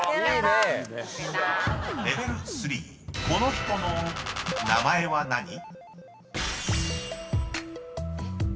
［この人の名前は何？］